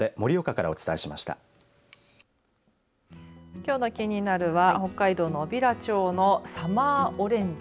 きょうのキニナル！は北海道の小平町のサマーオレンジ。